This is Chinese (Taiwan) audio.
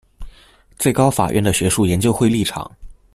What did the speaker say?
最高法院的學術研究會立場